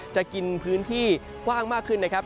จะกินพื้นที่กว้างมากขึ้นนะครับ